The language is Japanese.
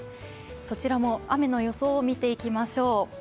そちらも雨の予想を見ていきましょう。